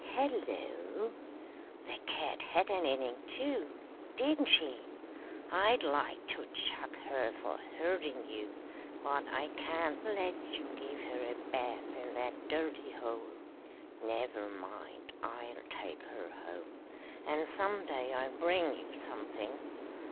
"Hello! The cat had an inning too, didn't she? I'd like to chuck her for hurting you, but I can't let you give her a bath in that dirty hole. Never mind, I'll take her home, and some day I'll bring you something.